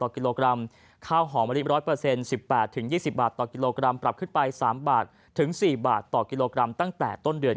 ข้าวหอมะลิ๑๐๐๑๘๒๐บาทกิโลกรัมปรับ๓๔บาทตั้งแต่ต้นเดือน